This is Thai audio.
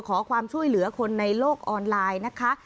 ขอความช่วยเหลือคนในโลกออนไลน์นะคะ